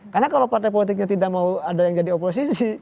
karena kalau partai politiknya tidak mau ada yang jadi oposisi